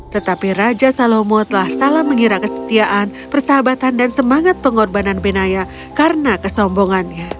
tetapi raja salomo telah salah mengira kesetiaan persahabatan dan semangat pengorbanan benaya karena kesombongannya